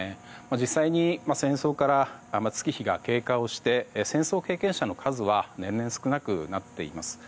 実際に戦争から月日が経過をして戦争経験者の数は年々少なくなっています。